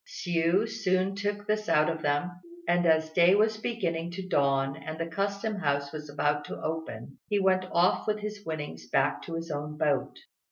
Hsiu soon took this out of them; and, as day was beginning to dawn and the Custom House was about to open, he went off with his winnings back to his own boat.